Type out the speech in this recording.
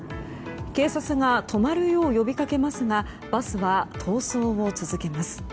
警察が止まるよう呼びかけますがバスは逃走を続けます。